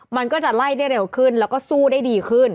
มันก็จะไล่ได้เร็วขึ้นแล้วก็สู้ได้ดีขึ้น